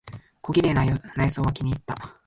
小綺麗な内装は気にいった。